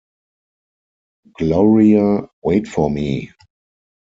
Gloria, wait for me!